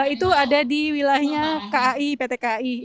itu ada di wilayahnya kai pt kai